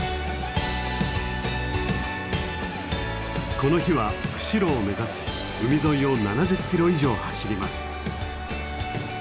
この日は釧路を目指し海沿いを７０キロ以上走ります。